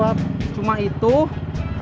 anda sudah tahu ya